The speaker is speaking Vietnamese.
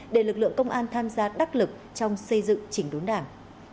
để lực lượng công an tham gia đắc lực trong xây dựng chỉnh đốn đảng